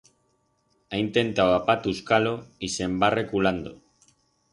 Ha intentau apatuscar-lo y se'n va reculando.